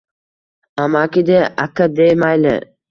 Amaki de, aka de, mayli…